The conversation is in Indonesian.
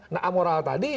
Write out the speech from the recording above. nah amoral tadi